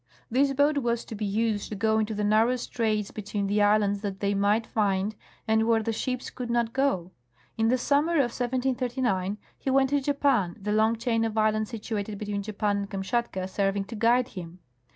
This boat was to be used to go into the narrow straits be tween the islands that they might find and where the ships could not go. In the summer of 1739 he went to Japan, the long chain of islands situated between Japan and Kamshatka serving to guide him.